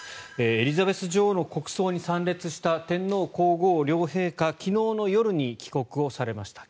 エリザベス女王の国葬に参列した天皇・皇后両陛下昨日の夜に帰国されました。